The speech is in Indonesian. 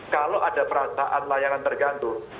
kalau ada perasaan layangan tergantung